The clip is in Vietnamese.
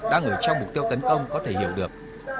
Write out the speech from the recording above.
đang ở trong mục tiêu tấn công có thể hiểu được